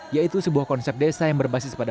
yaitu sebuah konsep desa yang berbasis pada